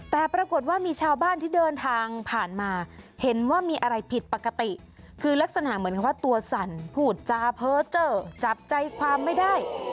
แต่ปรากฏว่ามีชาวบ้านที่เดินทางผ่านมาเห็นว่ามีอะไรผิดปกติคือลักษณะเหมือนกับว่าตัวสั่นพูดจาเพ้อเจอร์จับใจความไม่ได้